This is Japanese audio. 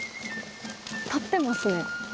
立ってますね。